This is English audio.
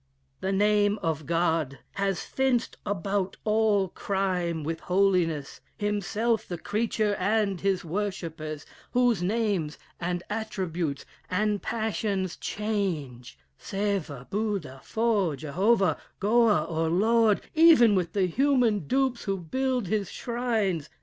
The name of God Has fenced about all crime with holiness, Himself the creature of his worshippers, Whose names and attributes and passions change, Seeva, Buddh, Foh, Jehovah, Goa, or Lord, Even with the human dupes who build his shrines.